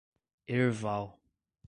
Herval